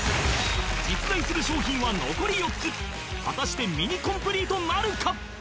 実在する商品は残り４つ果たしてミニコンプリートなるか？